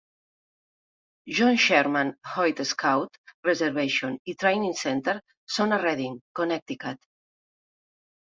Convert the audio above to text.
John Sherman Hoyt Scout Reservation i Training Center són a Redding, Connecticut.